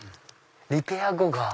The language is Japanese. リペア後が。